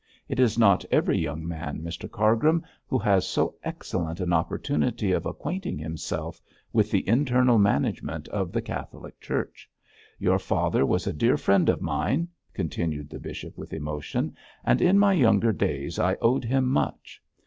It is not every young man, Mr Cargrim, who has so excellent an opportunity of acquainting himself with the internal management of the Catholic Church. Your father was a dear friend of mine,' continued the bishop, with emotion, 'and in my younger days I owed him much.